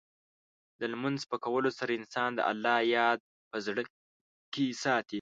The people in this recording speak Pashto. د لمونځ په کولو سره، انسان د الله یاد په زړه کې ساتي.